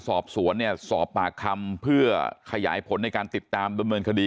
สอบสวนเนี่ยสอบปากคำเพื่อขยายผลในการติดตามดำเนินคดี